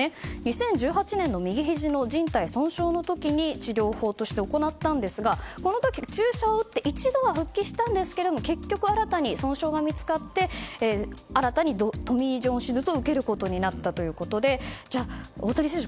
２０１８年の右ひじのじん帯損傷の時に治療法として行ったんですがこの時、注射を打って一度は復帰したんですけど結局新たに損傷が見つかって新たにトミー・ジョン手術を受けることになったということでじゃあ、大谷選手